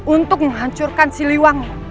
untuk menghancurkan si liwangi